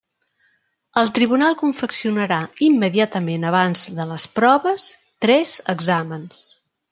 El tribunal confeccionarà, immediatament abans de les proves, tres exàmens.